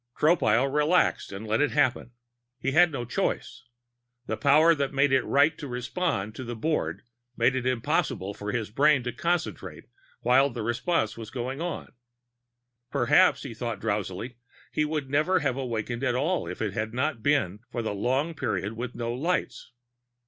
Tropile relaxed and let it happen. He had no choice; the power that made it right to respond to the board made it impossible for his brain to concentrate while the response was going on. Perhaps, he thought drowsily, he would never have awakened at all if it had not been for the long period with no lights....